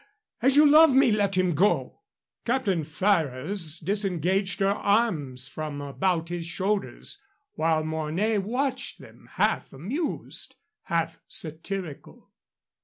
As you love me, let him go!" Captain Ferrers disengaged her arms from about his shoulders, while Mornay watched them, half amused, half satirical.